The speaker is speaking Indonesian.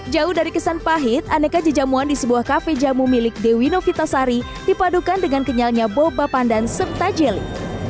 jauh dari kesan pahit aneka jejamuan di sebuah kafe jamu milik dewi novitasari dipadukan dengan kenyalnya boba pandan serta jeli